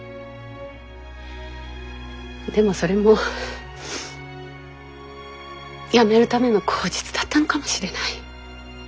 でもそれも辞めるための口実だったのかもしれない。